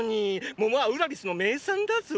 桃はウラリスの名産だぞ。